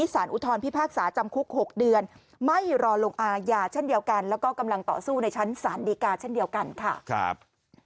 สวัสดีครับ